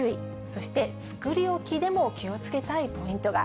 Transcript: そして作り置きでも気をつけたいポイントが。